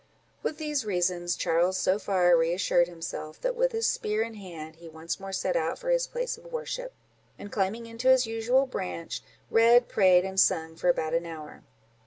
With these reasons Charles so far reassured himself, that, with his spear in his hand, he once more set out for his place of worship; and climbing into his usual branch, read, prayed, and sung for about an hour.